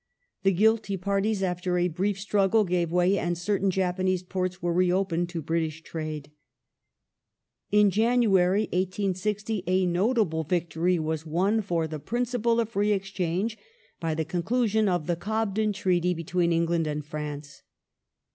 The guilty parties, after a brief struggle, gave way, and certain Japanese poi ts were reopened to British trade. ^ The In January, 1860, a notable victory was won for the principle ,po^^""of Free Exchange by the conclusion of the '* Cobden " Treaty be tween England and France.